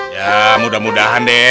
ya mudah mudahan deh